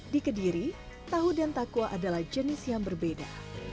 dikediri tahu dan takwa adalah jenis yang berbeda